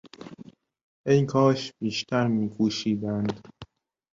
ای کاش بیشتر میکوشیدند!